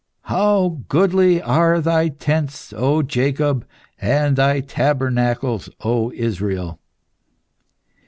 "How goodly are thy tents, O Jacob, and thy tabernacles, O Israel!"